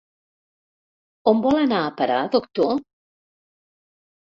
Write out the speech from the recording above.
On vol anar a parar, doctor?